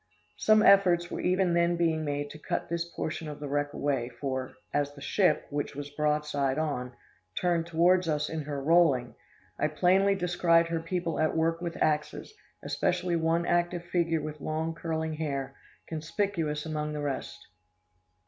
Some efforts were even then being made to cut this portion of the wreck away; for, as the ship, which was broadside on, turned towards us in her rolling, I plainly descried her people at work with axes, especially one active figure with long curling hair, conspicuous among the rest.